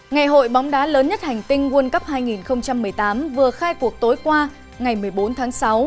ngày hội bóng đá lớn nhất hành tinh world cup hai nghìn một mươi tám vừa khai cuộc tối qua ngày một mươi bốn tháng sáu